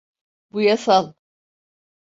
Bu yasal.